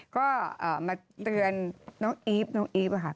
ก็มาเตือนน้องอีฟน้องอีฟค่ะ